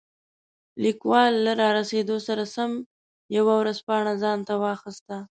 لیکوال له رارسېدو سره سم یوه ورځپاڼه ځانته واخیسته.